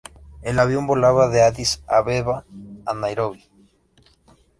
El avión volaba de Adís Abeba a Nairobi.